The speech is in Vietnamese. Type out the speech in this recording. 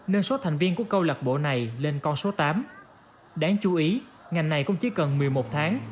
nâng số thành viên của câu lạc bộ này lên con số tám đáng chú ý ngành này cũng chỉ cần một mươi một tháng